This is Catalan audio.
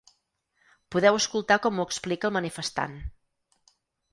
Podeu escoltar com ho explica el manifestant.